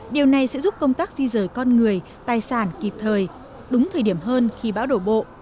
điều này sẽ giúp công tác di rời con người tài sản kịp thời đúng thời điểm hơn khi bão đổ bộ